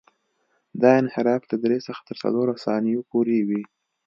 دا انحراف له درې څخه تر څلورو ثانیو پورې وي